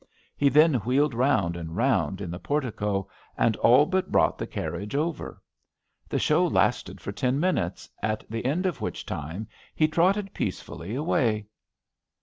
He then wheeled round and round in the portico, and all but brought the carriage over. The show lasted for ten min utes, at the end of which time he trotted peace fully away.